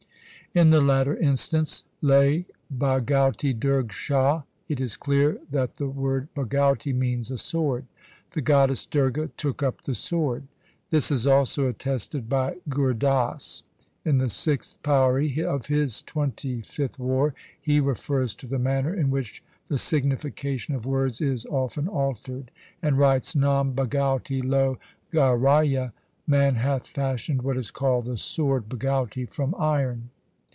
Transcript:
In the latter instance, Lai Bhagauti Durg shah, it is clear that the word Bhagauti means a sword —' The goddess Durga took up the sword.' This is also attested by Gur Das. In the sixth pauri of his twenty fifth War he refers to the manner in which the signification of words is often altered, and writes — Nam bhagauti loh gharaya — Man hath fashioned what is called the sword (bhagauti) from iron.